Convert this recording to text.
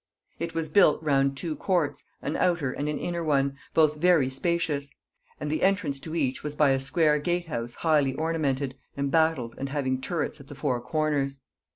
It was built round two courts, an outer and an inner one, both very spacious; and the entrance to each was by a square gatehouse highly ornamented, embattled, and having turrets at the four corners.